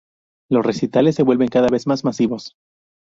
Los recitales se vuelven cada vez más masivos.